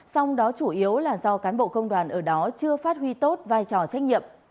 song đó chủ yếu là do cán bộ công đoàn ở đó chưa phát huy tốt vai trò trách nhiệm